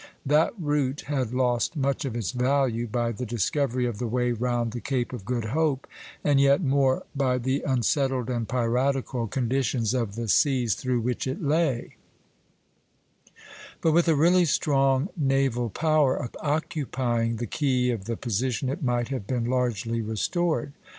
That route had lost much of its value by the discovery of the way round the Cape of Good Hope, and yet more by the unsettled and piratical conditions of the seas through which it lay; but with a really strong naval power occupying the key of the position it might have been largely restored.